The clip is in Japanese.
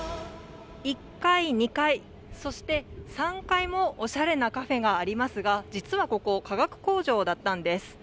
１階、２階、そして３階もおしゃれなカフェがありますが、実はここ、化学工場だったんです。